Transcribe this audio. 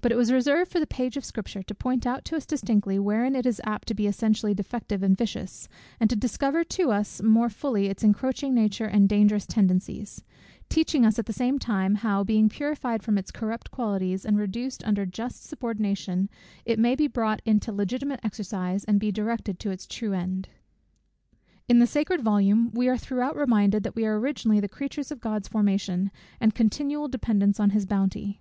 But it was reserved for the page of Scripture to point out to us distinctly, wherein it is apt to be essentially defective and vicious, and to discover to us more fully its encroaching nature and dangerous tendencies; teaching us at the same time, how, being purified from its corrupt qualities, and reduced under just subordination, it may be brought into legitimate exercise, and be directed to its true end. In the sacred volume we are throughout reminded, that we are originally the creatures of God's formation, and continual dependents on his bounty.